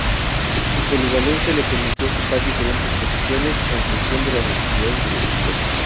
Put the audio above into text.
Su polivalencia le permitió ocupar diferentes posiciones, en función de las necesidades del equipo.